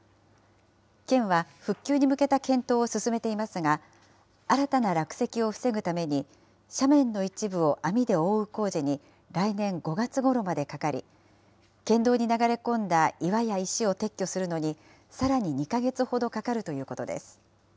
県は復旧に向けた検討を進めていますが、新たな落石を防ぐために、斜面の一部を網で覆う工事に来年５月ごろまでかかり、県道に流れ込んだ岩や石を撤去するのに、さらに２か月ほどかかるということです。